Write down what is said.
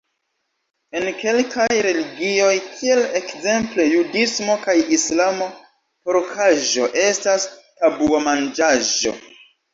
En kelkaj religioj, kiel ekzemple judismo kaj Islamo, porkaĵo estas tabuo-manĝaĵo.